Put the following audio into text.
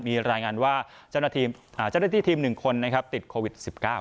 มีรายงานว่าเจ้าหน้าทีม๑คนติดโควิด๑๙